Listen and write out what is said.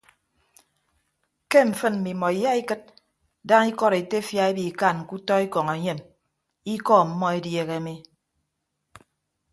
Ke mfịn mmimọ iyaikịd daña ikọd etefia ebikan ke utọ ekọñ enyem ikọ ọmmọ edieehe mi.